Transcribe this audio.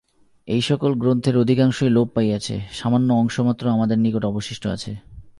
এই-সকল গ্রন্থের অধিকাংশই লোপ পাইয়াছে, সামান্য অংশমাত্র আমাদের নিকট অবশিষ্ট আছে।